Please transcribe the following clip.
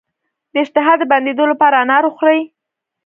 د اشتها د بندیدو لپاره انار وخورئ